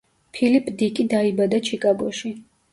ფილიპ დიკი დაიბადა ჩიკაგოში.